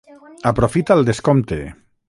Aprofita el descompte!